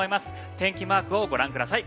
天気マークをご覧ください